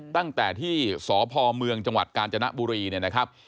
ตั้งแต่ที่สพเมืองจังหวัดกาญจนบุรีเนี่ยนะครับ